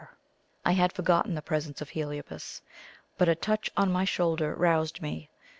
I had forgotten the presence of Heliobas. But a touch on my shoulder roused me.